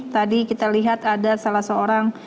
tadi kita lihat ada salah seorang